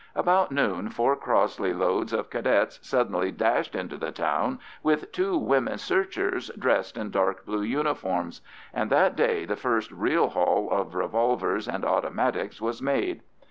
About noon four Crossley loads of Cadets suddenly dashed into the town with two women searchers dressed in dark blue uniforms, and that day the first real haul of revolvers and automatics was made.